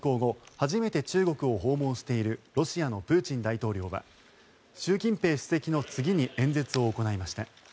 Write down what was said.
初めて中国を訪問しているロシアのプーチン大統領は習近平主席の次に演説を行いました。